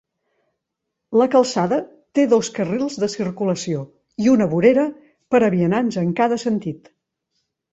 La calçada té dos carrils de circulació i una vorera per a vianants en cada sentit.